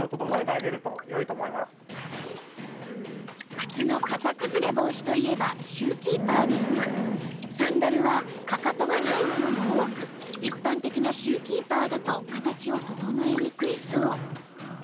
靴の形崩れ防止といえばシューキーパーですがサンダルはかかとがないものも多く一般的なシューキーパーだと形を整えにくいそう。